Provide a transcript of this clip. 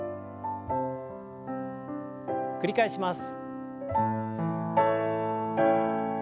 繰り返します。